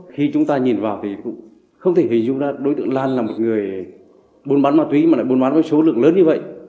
khi chúng ta nhìn vào thì cũng không thể hình dung ra đối tượng lan là một người buôn bán ma túy mà lại buôn bán với số lượng lớn như vậy